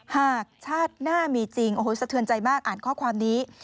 หากชาติหน้ามีจริงโอ้โหสะเทือนใจมากอ่านข้อความนี้